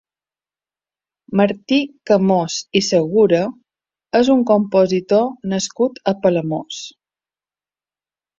Martí Camós i Segura és un compositor nascut a Palamós.